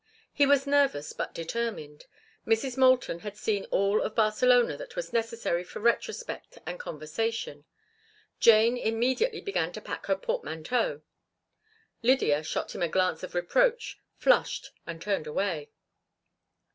He was nervous but determined. Mrs. Moulton had seen all of Barcelona that was necessary for retrospect and conversation. Jane immediately began to pack her portmanteau. Lydia shot him a glance of reproach, flushed, and turned away.